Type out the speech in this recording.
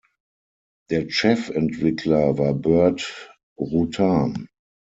Der Chefentwickler war Burt Rutan.